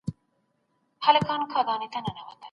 سفیرانو به د رایې ورکولو حق تضمین کړی وي.